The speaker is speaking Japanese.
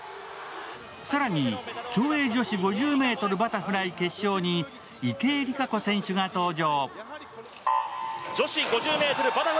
更に、競泳女子５０ｍバタフライ決勝に池江璃花子選手が登場。